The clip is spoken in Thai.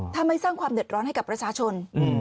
ถ้าไม่สร้างความเดือดร้อนให้กับประชาชน